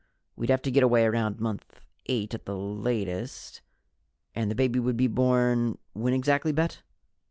We'd have to get away around Month Eight at the latest and the baby would be born when exactly, Bet?"